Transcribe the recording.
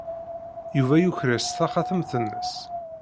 Yuba yuker-as taxatemt-nnes.